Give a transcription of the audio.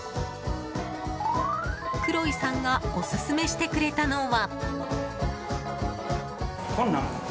クロイさんがオススメしてくれたのは。